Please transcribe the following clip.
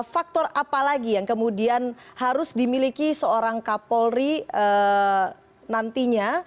faktor apa lagi yang kemudian harus dimiliki seorang kapolri nantinya